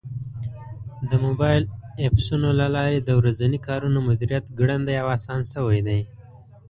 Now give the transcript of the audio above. د موبایل ایپسونو له لارې د ورځني کارونو مدیریت ګړندی او اسان شوی دی.